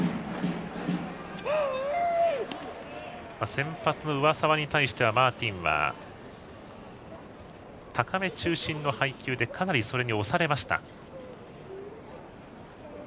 先発の上沢に対してはマーティンは高め中心の配球でかなりそれに押されました。